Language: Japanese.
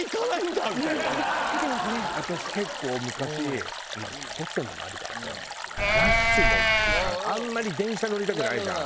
私結構昔まあ太ってるのもあるからさラッシュの時間あんまり電車乗りたくないじゃん。